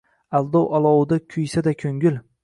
Aldov olovida kuysa-da ko‘ngil